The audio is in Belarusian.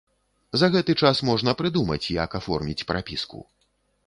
За гэты час можна прыдумаць, як аформіць прапіску.